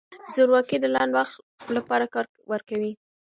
زورواکي د لنډ وخت لپاره کار ورکوي.